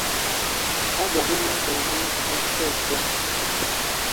A a abəbə a ele abəl dzie naa tǝgə fəg ai tɔ ngǝŋ.